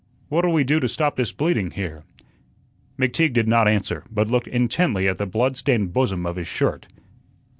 "What'll we do to stop this bleeding here?" McTeague did not answer, but looked intently at the blood stained bosom of his shirt.